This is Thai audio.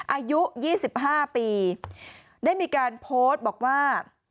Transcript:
อายุ๒๕ปีได้มีการโพสต์บอกว่า